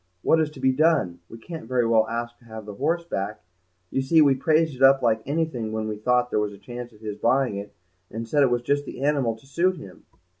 What is to be done? We can't very well ask to have the horse back; you see, we praised it up like anything when we thought there was a chance of his buying it, and said it was just the animal to suit him."